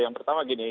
yang pertama gini